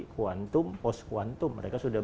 kuantum pos kuantum mereka sudah